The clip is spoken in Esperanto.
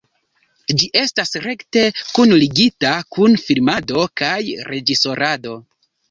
Ĝi estas rekte kunligita kun filmado kaj reĝisorado.